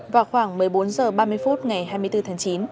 vào khoảng một mươi bốn h ba mươi phút ngày hai mươi bốn tháng chín